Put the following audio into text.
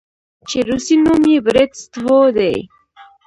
چې روسي نوم ئې Bratstvoدے